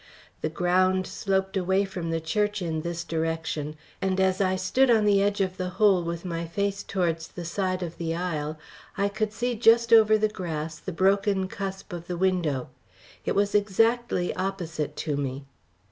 The ground sloped away from the church in this direction; and as I stood on the edge of the hole with my face towards the side of the aisle, I could just see over the grass the broken cusp of the window. It was exactly opposite to me.